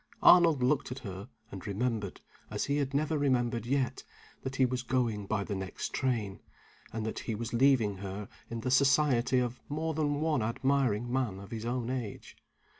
Arnold looked at her and remembered, as he had never remembered yet, that he was going by the next train, and that he was leaving her in the society of more than one admiring man of his own age.